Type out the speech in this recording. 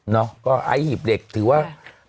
นะอายหิบเล็กก็ถือว่า